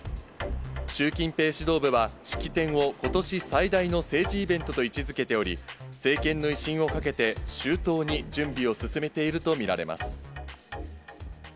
習近平指導部は、式典をことし最大の政治イベントと位置づけており、政権の威信をかけて、周到に準備を進めていると見られます。